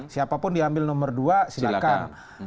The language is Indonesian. siapapun diambil nomor dua silahkan